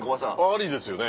ありですよね。